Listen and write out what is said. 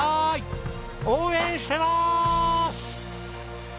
応援してます！